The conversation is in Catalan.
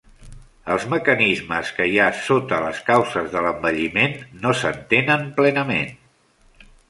Els mecanismes que hi ha sota les causes de l'envelliment no s'entenen plenament.